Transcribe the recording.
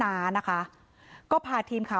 นางศรีพรายดาเสียยุ๕๑ปี